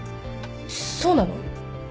そうなの？